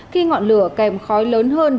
khi ngọn lửa kèm khói lớn hơn